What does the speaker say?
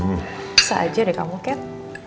bisa aja deh kamu cat